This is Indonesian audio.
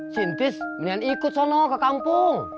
sintis kemudian ikut sono ke kampung